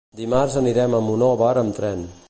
Dimarts anirem a Monòver amb tren.